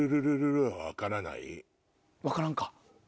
分からんか？